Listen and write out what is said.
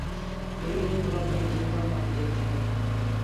বেগুনি এবং গোলাপি এই দুটি রঙ আমি দেখতে পাই না।